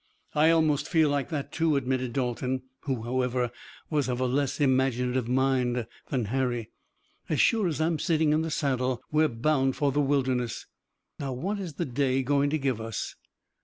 "I almost feel like that, too," admitted Dalton, who, however, was of a less imaginative mind than Harry. "As sure as I'm sitting in the saddle we're bound for the Wilderness. Now, what is the day going to give us?"